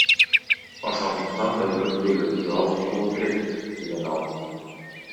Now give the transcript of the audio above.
Ошондуктан өзгөртүүлөрдү алып салуу керек, — деген ал.